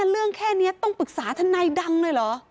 เรื่องแค่นี้ต้องปรึกษาทนายดังด้วยเหรอ